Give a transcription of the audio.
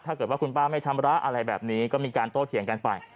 ถ้าเกิดว่าคุณป้าไม่ชำระอะไรแบบนี้ก็มีการโต้เถียงกันไป